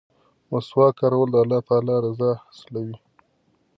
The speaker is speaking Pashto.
مسواک کارول د الله تعالی رضا حاصلوي.